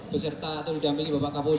beserta atau didampingi bapak kapolri